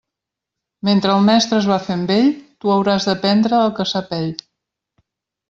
Mentre el mestre es va fent vell, tu hauràs d'aprendre el que sap ell.